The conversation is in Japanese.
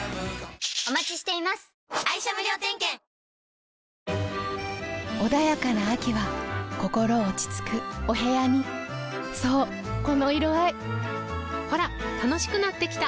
ニトリ穏やかな秋は心落ち着くお部屋にそうこの色合いほら楽しくなってきた！